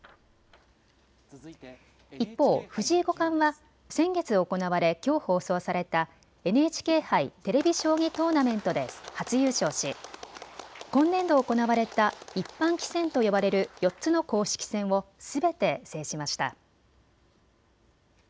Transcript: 一方、藤井五冠は先月行われきょう放送されたＮＨＫ杯テレビ将棋トーナメントで初優勝し今年度行われた一般棋戦と呼ばれる４つの公式戦をすべて制しました。